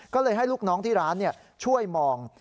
ก็เลยให้ลูกน้องที่ร้านช่วยมอง